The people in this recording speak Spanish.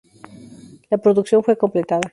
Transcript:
La producción fue completada.